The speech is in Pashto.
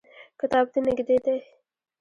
کتابتون نږدې دی